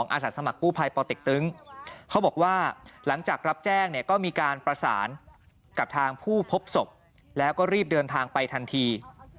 อาสาสมัครกู้ภัยปเต็กตึงเขาบอกว่าหลังจากรับแจ้งเนี่ยก็มีการประสานกับทางผู้พบศพแล้วก็รีบเดินทางไปทันที